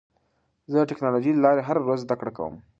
زه د ټکنالوژۍ له لارې هره ورځ زده کړه کوم.